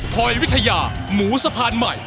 พอยวิทยาหมูสะพานใหม่